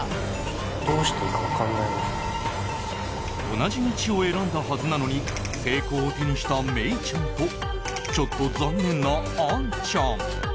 同じ道を選んだはずなのに成功を手にしたメイちゃんとちょっと残念なアンちゃん。